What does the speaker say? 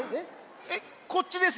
えっこっちですよ。